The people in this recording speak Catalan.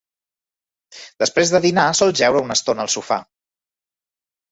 Després de dinar sol jeure una estona al sofà.